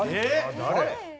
誰？